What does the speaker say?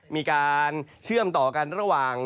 มีการเชื่อมต่อกันระหว่าง